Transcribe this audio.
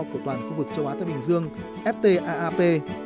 của toàn khu vực châu á thái bình dương ft aap